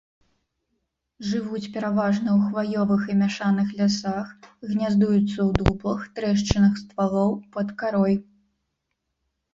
Жывуць пераважна ў хваёвых і мяшаных лясах, гняздуюцца ў дуплах, трэшчынах ствалоў, пад карой.